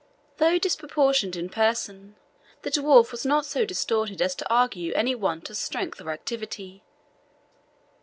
Though disproportioned in person, the dwarf was not so distorted as to argue any want of strength or activity.